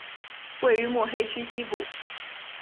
位于目黑区西部。